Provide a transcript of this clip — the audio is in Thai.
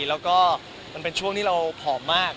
แล้วก็มันเป็นช่วงที่เราผอมมาก